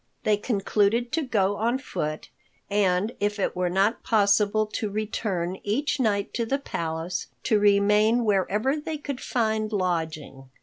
They concluded to go on foot and, if it were not possible to return each night to the palace, to remain wherever they could find lodging.